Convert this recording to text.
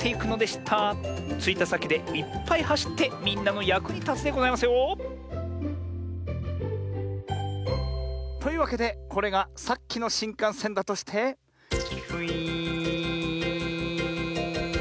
ついたさきでいっぱいはしってみんなのやくにたつでございますよ。というわけでこれがさっきのしんかんせんだとしてウイーン。